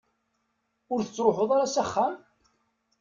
Ur tettruḥuḍ ara s axxam?